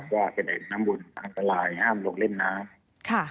ว่าเป็นเหตุน้ำบุญทางตลายห้ามลงเล่นน้ำ